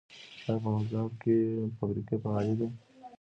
آیا په مزار کې فابریکې فعالې دي؟